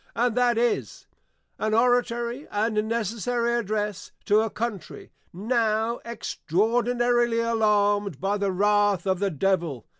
And that is, AN HORTATORY AND NECESSARY ADDRESS, TO A COUNTRY NOW EXTRAORDINARILY ALARUM'D BY THE WRATH OF THE DEVIL.